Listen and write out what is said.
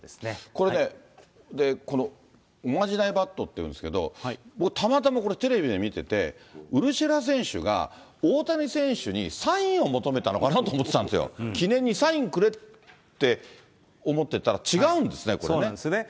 これね、このおまじないバットっていうんですけれども、僕、たまたまテレビで見てて、ウルシェラ選手が大谷選手にサインを求めたのかなと思ってたんですよ、記念にサインくれって思ってたら、そうなんですね。